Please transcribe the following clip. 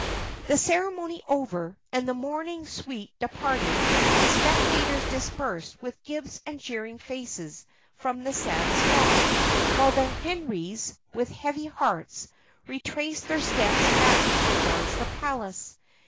The ceremony over, and the mourning suite departed, the spectators dispersed with gibes and jeering faces from the sad spot; while the Henrys, with heavy hearts, retraced their steps back towards the palace.